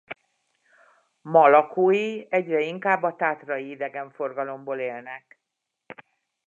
Ma lakói egyre inkább a tátrai idegenforgalomból élnek.